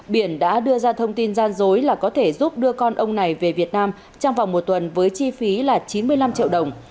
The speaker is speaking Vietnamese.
biển đã đưa ra thông tin gian dối là có thể giúp đưa con ông này về việt nam trong vòng một tuần với chi phí là chín mươi năm triệu đồng